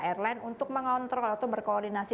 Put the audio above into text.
airline untuk mengontrol atau berkoordinasi